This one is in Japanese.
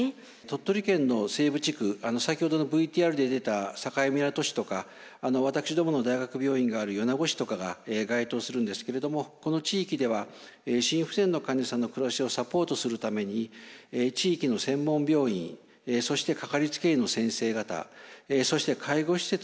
鳥取県の西部地区先ほどのＶＴＲで出た境港市とか私どもの大学病院がある米子市とかが該当するんですけれどもこの地域では心不全の患者さんの暮らしをサポートするために地域の専門病院そしてかかりつけ医の先生方そして介護施設